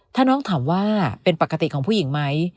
ถ้าน้องถามว่าเป็นปกติของผู้หญิงไหม